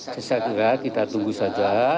saya kira kita tunggu saja